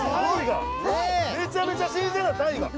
めちゃくちゃ新鮮な鯛が。